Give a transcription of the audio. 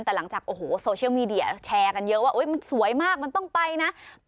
แต่หลังจากโอ้โหโซเชียลมีเดียแชร์กันเยอะว่ามันสวยมากมันต้องไปนะ